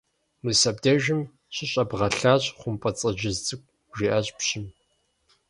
Мис абдежым щыщӀэбгъэлъащ, ХъумпӀэцӀэджыжь цӀыкӀу! – жиӀащ пщым.